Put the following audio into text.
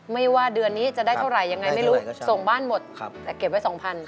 ว่าเดือนนี้จะได้เท่าไหร่ยังไงไม่รู้ส่งบ้านหมดแต่เก็บไว้๒๐๐